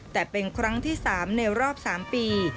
แต่เป็นครั้งที่๓ในรอบ๓ปี